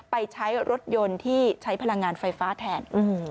ไปใช้รถยนต์ที่ใช้พลังงานไฟฟ้าแทน